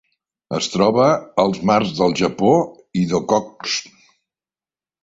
Es troba als mars del Japó i d'Okhotsk.